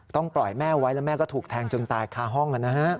ปล่อยแม่ไว้แล้วแม่ก็ถูกแทงจนตายคาห้อง